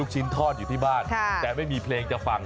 ชิ้นทอดอยู่ที่บ้านแต่ไม่มีเพลงจะฟัง